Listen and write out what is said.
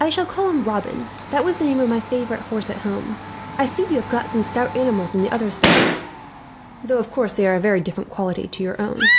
"I shall call him Robin. That was the name of my favourite horse, at home. "I see you have got some stout animals in the other stalls, though of course they are of a very different quality to your own."